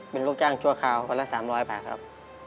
เป็นลูกจ้างชั่วคราวคนละ๓๐๐บาทครับ